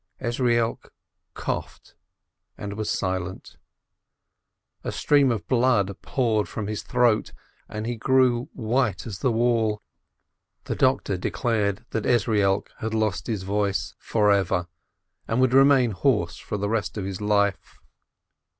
Ezrielk coughed, and was silent. A stream of blood poured from his throat, and he grew white as the wall. The doctor declared that Ezrielk had lost his voice forever, and would remain hoarse for the rest of his life.